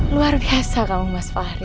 luar biasa kamu mas fahri